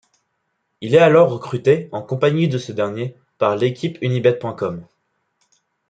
Il est alors recruté, en compagnie de ce dernier, par l'équipe Unibet.com.